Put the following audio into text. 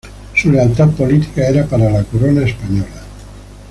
Su lealtad política era para la Corona española.